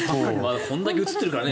これだけ映ってるからね。